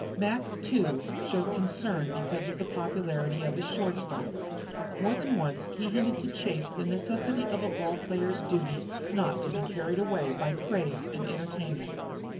Mac, too, showed concern because of the popularity of his short stop. More than once he hinted to Chase the necessity of a ball player's duty not to be carried away by praise and entertainment.